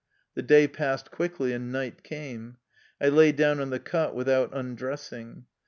The day passed quickly, and night came. I lay down on the cot without undressing.